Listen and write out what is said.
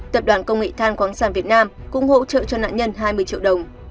tập đoàn công nghệ than khoáng sản việt nam cũng hỗ trợ cho nạn nhân hai mươi triệu đồng